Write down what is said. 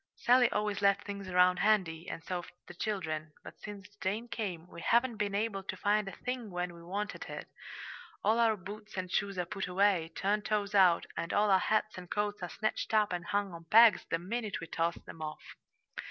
Sally always left things round handy, and so've the children; but since Jane came, we haven't been able to find a thing when we wanted it. All our boots and shoes are put away, turned toes out, and all our hats and coats are snatched up and hung on pegs the minute we toss them off.